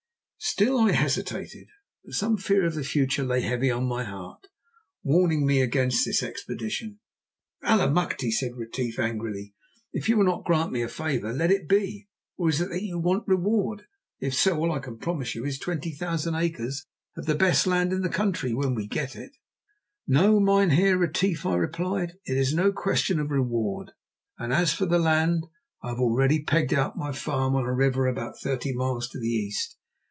Still I hesitated, for some fear of the future lay heavy on my heart, warning me against this expedition. "Allemachte!" said Retief angrily, "if you will not grant me a favour, let it be. Or is it that you want reward? If so, all I can promise you is twenty thousand acres of the best land in the country when we get it." "No, Mynheer Retief," I replied; "it is no question of reward; and as for the land, I have already pegged out my farm on a river about thirty miles to the east.